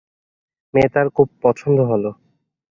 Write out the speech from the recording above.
মেয়ে তার খুব পছন্দ হল।